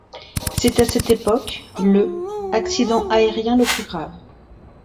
C'est à cette époque le accident aérien le plus grave.